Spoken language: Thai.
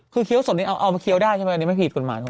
คือเคี้ยวสดนี้เอามาเคี้ยวได้ใช่ไหมอันนี้ไม่ผิดกฎหมายถูก